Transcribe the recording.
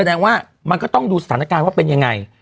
แสดงว่ามันก็ต้องดูสถานการณ์ว่าเป็นยังไง